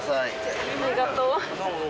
ありがとう。